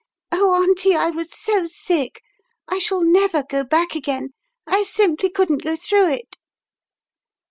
Oh, Auntie, I was so sick. I shall never go back again. I simple couldn't go through it."